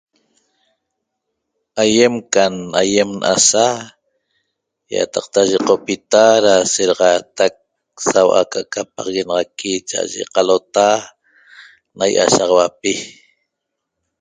Aiem can aiem na'asa iataqta yeqopita ra seraxatac saua'a ca'aca paxaguenaxaqui cha'aye qalota na iashaxaupi